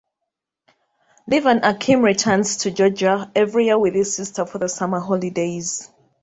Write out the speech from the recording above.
Levan Akin returns to Georgia every year with his sister for the summer holidays.